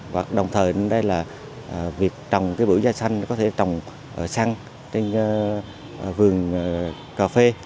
và đồng thời đây là việc trồng cái bưởi da xanh có thể trồng săn trên vườn cà phê